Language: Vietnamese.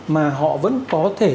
mà họ vẫn có thể